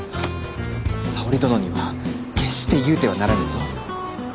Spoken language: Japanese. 沙織殿には決して言うてはならぬぞ。